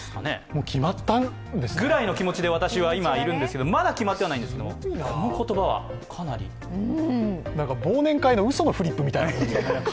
もう決まったんですか？ぐらいの気持ちで私はいるんですけどまだ決まってはいないんですが、この言葉はかなり忘年会のうそのフリップみたい。